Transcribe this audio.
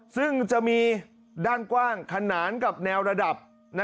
ซึ่งจะมีด้านกว้างขนานกับแนวระดับ